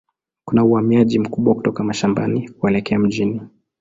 Kuna uhamiaji mkubwa kutoka mashambani kuelekea mjini.